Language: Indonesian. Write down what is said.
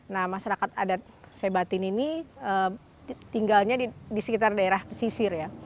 nah masyarakat adat saibatin ini tinggalnya di sekitar daerah pesisir ya